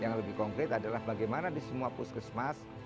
yang lebih konkret adalah bagaimana di semua puskesmas